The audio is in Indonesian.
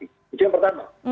itu yang pertama